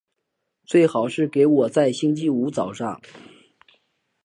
最好是给我在星期五早上